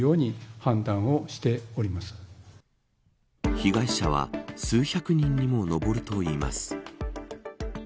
被害者は数百人にも上るといいます。